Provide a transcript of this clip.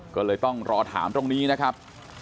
ก็เลยต้องรอถามตรงนี้นะครับ